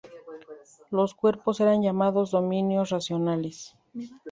Los cuerpos eran llamados dominios racionales.